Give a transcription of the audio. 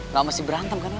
gak mesti berantem kan lo